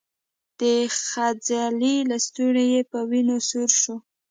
د څنځلې لستوڼی يې په وينو سور شو.